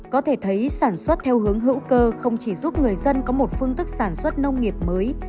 có thể thấy sản xuất theo hướng hữu cơ không chỉ giúp người dân có một phương thức sản xuất nông nghiệp mới